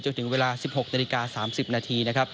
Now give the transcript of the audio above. จนถึงเวลา๑๖นาฬิกา๓๐นาที